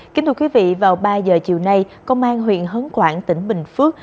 kính thưa quý vị vào ba h chiều nay công an huyện hấn quảng tỉnh bình phước